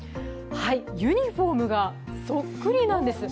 ユニフォームがそっくりなんです。